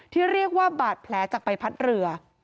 ที่เรียกว่าบาดแผลจากใบพัดเรือ